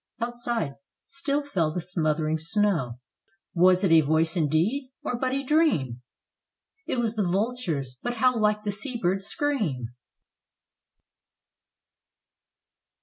Outside still fell the smothering snow. Was it a voice indeed? or but a dream! It was the vulture's, but how like the sea bird's scream.